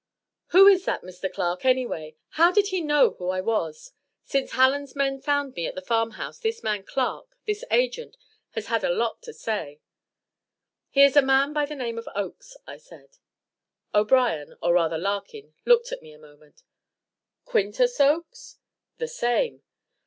"Who is that Mr. Clark, anyway? How did he know who I was? Since Hallen's men found me at the farm house this man Clark this agent has had a lot to say." "He is a man by the name of Oakes," I said. O'Brien, or rather Larkin, looked at me a moment. "Quintus Oakes?" "The same."